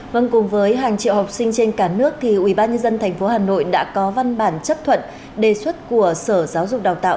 vâng cùng với hàng triệu học sinh trên cả nước thì ubnd tp hà nội đã có văn bản chấp thuận đề xuất của sở giáo dục đào tạo